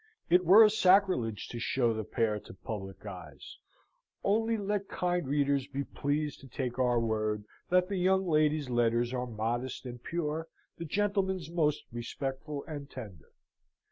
It were a sacrilege to show the pair to public eyes: only let kind readers be pleased to take our word that the young lady's letters are modest and pure, the gentleman's most respectful and tender.